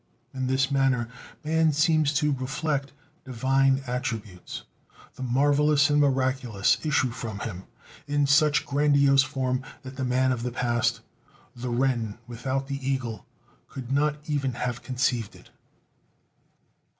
In this manner man seems to reflect divine attributes; the marvelous and miraculous issue from him in such grandiose form that the man of the past, the wren without the eagle, could not even have conceived it.